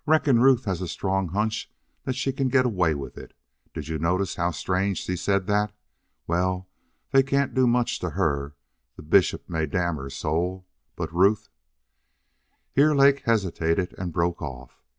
"Reckon Ruth has a strong hunch that she can get away with it. Did you notice how strange she said that? Well, they can't do much to her. The bishop may damn her soul. But Ruth " Here Lake hesitated and broke off.